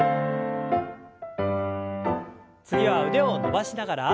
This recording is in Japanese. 次は腕を伸ばしながら。